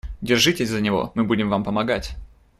Держитесь за него, мы будем вам помогать.